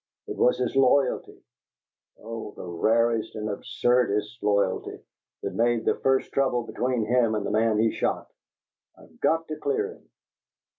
It was his loyalty oh, the rarest and absurdest loyalty! that made the first trouble between him and the man he shot. I've got to clear him!"